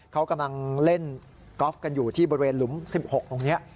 เขากำลังเล่นกอล์ฟกันอยู่ที่บริเวณหลุม๑๖ตรงนี้